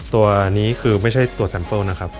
ตัวนี้คือไม่ใช่ตัวแซมเฟิลนะครับ